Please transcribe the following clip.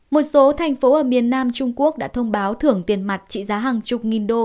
một số thành phố ở miền nam trung quốc đã thông báo thưởng tiền mặt trị giá hàng chục nghìn đô